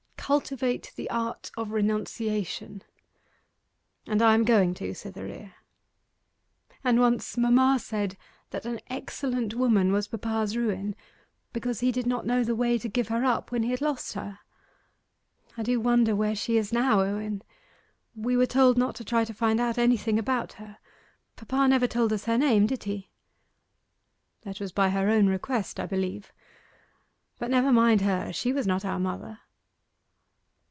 "Cultivate the art of renunciation." And I am going to, Cytherea.' 'And once mamma said that an excellent woman was papa's ruin, because he did not know the way to give her up when he had lost her. I wonder where she is now, Owen? We were told not to try to find out anything about her. Papa never told us her name, did he?' 'That was by her own request, I believe. But never mind her; she was not our mother.